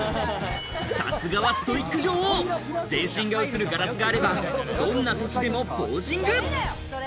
さすがはストイック女王、全身が映るガラスがあれば、どんなときでもポージング。